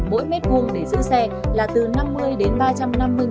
mỗi mét vuông để giữ xe là từ năm mươi ba trăm năm mươi đồng một tháng